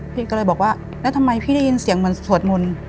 พี่ก็เลยบอกว่าแล้วทำไมพี่ได้ยินเสียงเหมือนสวดมนต์